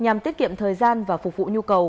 nhằm tiết kiệm thời gian và phục vụ nhu cầu